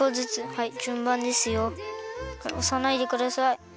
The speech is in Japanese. はいおさないでください。